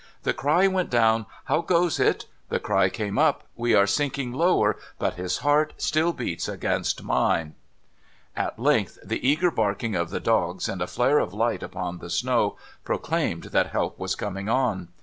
The cry went down :' How goes it ?' The cry came up :' We are sinking lower, but his heart still beats against mine.' At length the eager barking of the dogs, and a flare of light upon the snow, proclaimed that help was coming on.